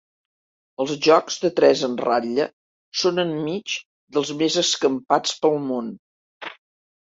Els jocs de tres en ratlla són enmig dels més escampats pel món.